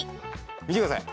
見てください！